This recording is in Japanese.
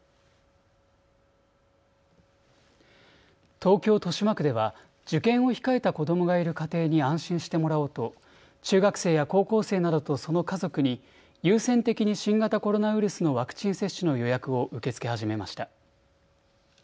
東京豊島区では受験を控えた子どもがいる家庭に安心してもらおうと中学生や高校生などとその家族に優先的に新型コロナウイルスのワクチン接種の予約を受け付け始めました。